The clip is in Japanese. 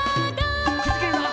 くじけるな！